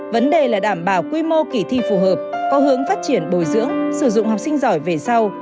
vấn đề là đảm bảo quy mô kỳ thi phù hợp có hướng phát triển bồi dưỡng sử dụng học sinh giỏi về sau